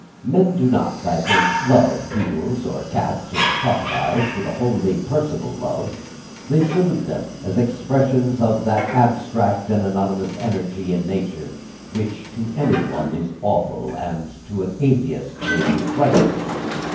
Men do not, I think, love beetles or cats or crocodiles with a wholly personal love; they salute them as expressions of that abstract and anonymous energy in nature which to any one is awful, and to an atheist must be frightful.